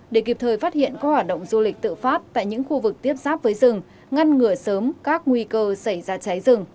để kịp thời phát hiện có hoạt động du lịch tự pháp tại những khu vực tiếp xác với rừng ngăn ngửa sớm các nguy cơ xảy ra cháy rừng